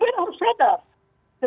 kita harus sadar